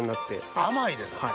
甘いですね。